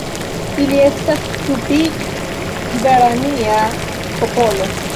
Ili estas Tupi-gvarania popolo.